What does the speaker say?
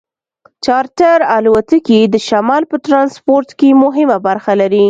چارټر الوتکې د شمال په ټرانسپورټ کې مهمه برخه لري